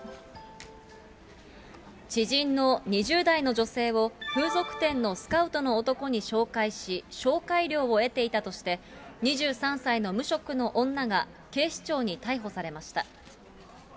知人の２０代の女性を風俗店のスカウトの男に紹介し、紹介料を得ていたとして、２３歳の無職の女が警視庁に逮捕されました。